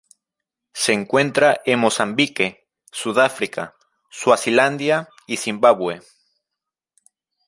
Se encuentra en Mozambique, Sudáfrica, Suazilandia y Zimbabue.